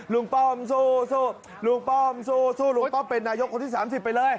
ป้อมสู้ลุงป้อมสู้ลุงป้อมเป็นนายกคนที่๓๐ไปเลย